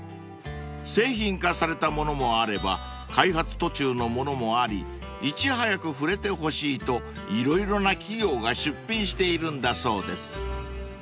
［製品化されたものもあれば開発途中のものもありいち早く触れてほしいと色々な企業が出品しているんだそうです］